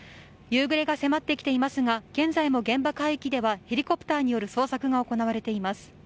夕暮れが迫ってきていますが現在も現場海域ではヘリコプターによる捜索が行われています。